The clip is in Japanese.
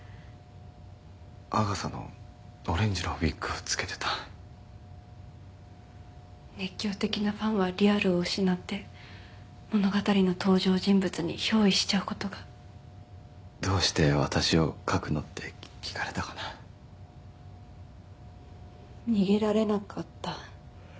アガサのオレンジのウィッグを着けてた熱狂的なファンはリアルを失って物語の登場人物にひょう依しちゃうことが「どうして私を書くの？」って聞かれたかな逃げられなかった？